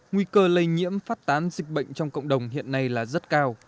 nguy cơ lây nhiễm phát tán dịch bệnh trong cộng đồng hiện nay là rất cao